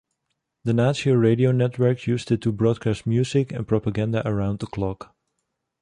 The Nazi radio networks used it to broadcast music and propaganda around the clock.